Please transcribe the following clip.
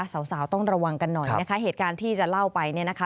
สาวสาวต้องระวังกันหน่อยนะคะเหตุการณ์ที่จะเล่าไปเนี่ยนะคะ